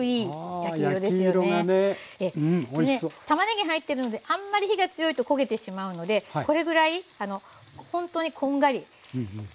たまねぎ入ってるのであんまり火が強いと焦げてしまうのでこれぐらいほんとにこんがり。